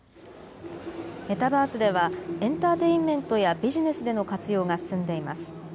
メタバースではエンターテインメントやビジネスでの活用が進んでいます。